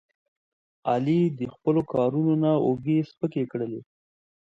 علي د خپلو کارونو نه اوږې سپکې کړلې.